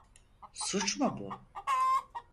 Suç mu bu?